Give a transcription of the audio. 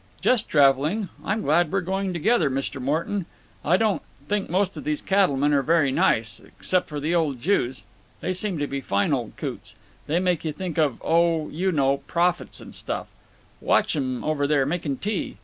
"Just traveling. I'm glad we're going together, Mr. Morton. I don't think most of these cattlemen are very nice. Except for the old Jews. They seem to be fine old coots. They make you think of—oh—you know—prophets and stuff. Watch 'em, over there, making tea.